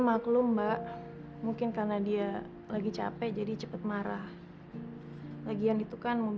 makanya kamu pergi jangan banget